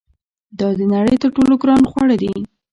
دا د نړۍ تر ټولو ګران خواړه دي.